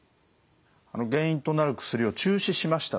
原因となる薬を中止しましたと。